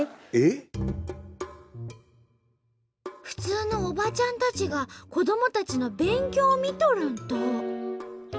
普通のおばちゃんたちが子どもたちの勉強を見とるんと！